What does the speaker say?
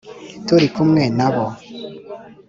turi kumwe nabo